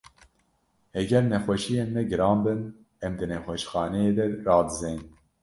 Heger nexweşiyên me giran bin, em di nexweşxaneyê de radizên.